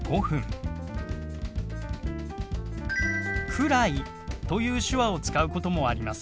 「くらい」という手話を使うこともあります。